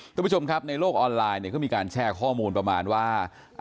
คุณผู้ชมครับในโลกออนไลน์เนี่ยเขามีการแชร์ข้อมูลประมาณว่า